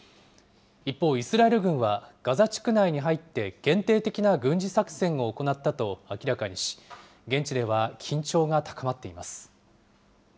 一方、イスラエル軍はガザ地区内に入って、限定的な軍事作戦を行ったと明らかにし、現地では緊張が高まっています。